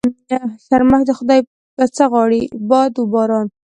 شرمښ د خدا يه څه غواړي ؟ باد و باران.